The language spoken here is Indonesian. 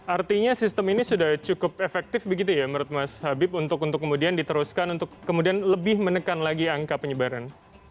artinya sistem ini sudah cukup efektif begitu ya menurut mas habib untuk kemudian diteruskan untuk kemudian lebih menekan lagi angka penyebaran